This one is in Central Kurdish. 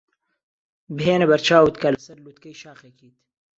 بهێنە بەرچاوت کە لەسەر لووتکەی شاخێکیت.